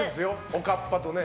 おかっぱとね。